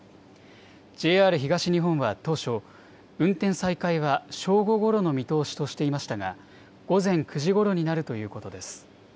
ＪＲ東日本は当初、運転再開は正午ごろの見通しとしていましたが午前９時ごろになるということです。